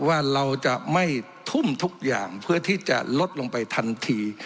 ว่าเราจะไม่ทุ่มทุกอย่างเพื่อที่จะลดลงไปทันที